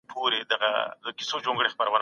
صفوي دولت خپله وړتیا لرله چې له اصفهان ساتنه وکړي.